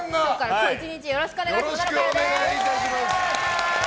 今日１日よろしくお願いします。